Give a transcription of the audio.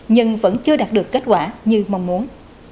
nhưng vẫn chưa đạt được kết quả như mong muốn